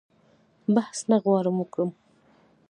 بحث نه غواړم وکړم.